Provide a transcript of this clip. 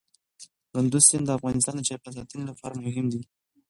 کندز سیند د افغانستان د چاپیریال ساتنې لپاره مهم دي.